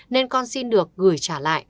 nên con xin được gửi trả